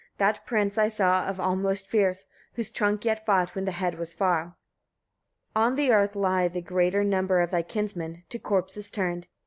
That prince I saw of all most fierce, whose trunk yet fought when the head was far. 26. On the earth lie the greater number of thy kinsmen, to corpses turned.